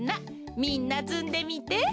みんなつんでみて。